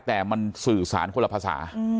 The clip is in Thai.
แต่มันสื่อสารคนละภาษา